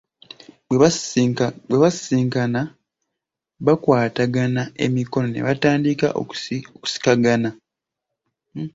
Bwe basisinkana bakwatagana emikono ne batandika okusikagana.